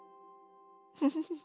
フフフフ。